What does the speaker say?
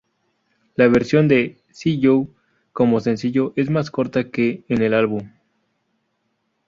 La versión de "See You" como sencillo es más corta que en el álbum.